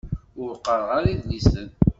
Ur qqaṛeɣ ara idlisen.